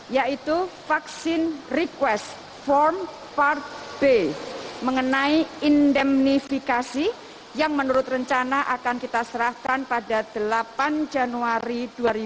yaitu vaksin request form part b mengenai indemnifikasi yang menurut rencana akan kita serahkan pada delapan januari dua ribu dua puluh